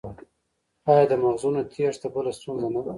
آیا د مغزونو تیښته بله ستونزه نه ده؟